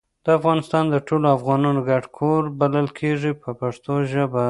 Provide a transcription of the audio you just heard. افغانستان د ټولو افغانانو ګډ کور بلل کیږي په پښتو ژبه.